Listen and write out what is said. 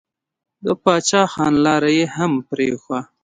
د پاچا خان لاره يې هم پرېښوده.